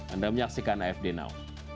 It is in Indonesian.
anda menyaksikan afd now